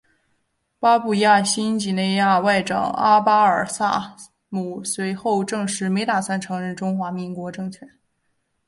巴布亚新几内亚外长阿巴尔萨姆随后证实没打算承认中华民国政权。